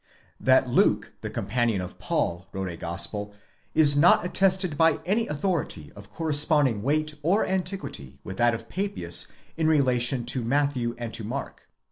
That Luke, the companion of Paul, wrote a Gospel, is not attested by any authority of corresponding weight or antiquity with that of Papias in relation to Matthew and to Mark.